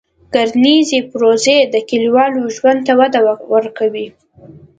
کرنيزې پروژې د کلیوالو ژوند ته وده ورکوي.